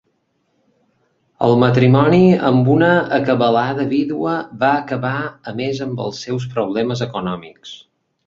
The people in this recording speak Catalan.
El matrimoni amb una acabalada vídua va acabar a més amb els seus problemes econòmics.